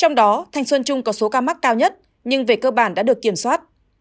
trong đó thanh xuân trung có số ca mắc cao nhất nhưng về cơ bản đã được kiểm soát